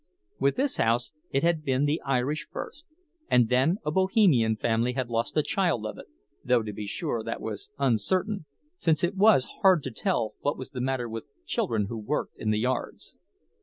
With this house it had been the Irish first; and then a Bohemian family had lost a child of it—though, to be sure, that was uncertain, since it was hard to tell what was the matter with children who worked in the yards.